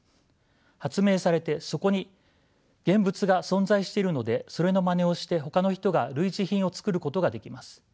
発明されてそこに現物が存在しているのでそれのまねをしてほかの人が類似品を作ることができます。